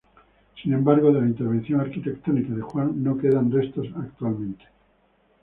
Sin embargo, de la intervención arquitectónica de Juan no quedan restos actualmente.